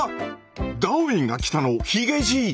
「ダーウィンが来た！」のヒゲじい。